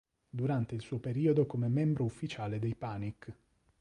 Durante il suo periodo come membro ufficiale dei Panic!